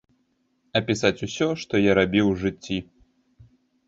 Апісаць усё, што я рабіў у жыцці.